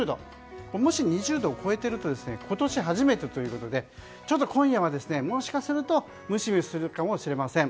もし２０度を超えていると今年初めてということで今夜は、もしかするとムシムシするかもしれません。